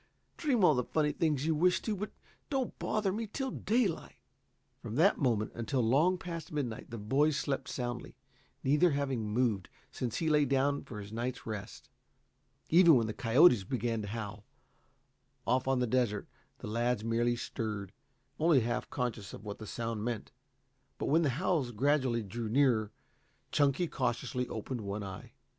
Dream all the funny things you wish to, but don't bother me till daylight." From that moment until long past midnight the boys slept soundly, neither having moved since he lay down for his night's rest. Even when the coyotes began to howl, off on the desert, the lads merely stirred, only half conscious of what the sound meant. But when the howls gradually drew nearer, Chunky cautiously opened one eye.